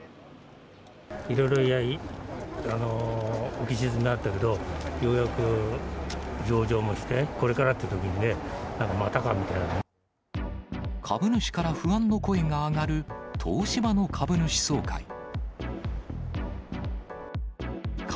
いろいろ浮き沈みあったけど、ようやく上場もして、これからってときにね、なんかまたかみたい株主から不安の声が上がる、東芝の株主総会。